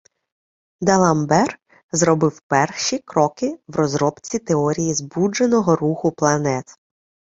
Д'Аламбер зробив перші кроки в розробці теорії збудженого руху планет.